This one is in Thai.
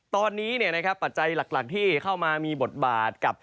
ตอนนี้ปัจจัยหลักที่เข้ามามีบทบาทกับ